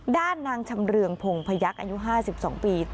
ด้านนางชำเรืองพงพยักษ์อายุ๕๒ปี